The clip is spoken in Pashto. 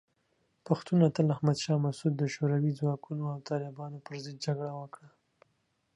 پښتون اتل احمد شاه مسعود د شوروي ځواکونو او طالبانو پر ضد جګړه وکړه.